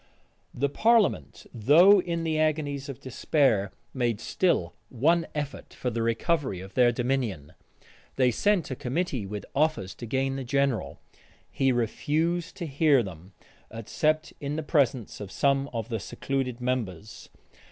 The parliament, though in the agonies of despair, made still one effort for the recovery of their dominion. They sent a committee with offers to gain the general. He refused to hear them, except in the presence of some of the secluded members.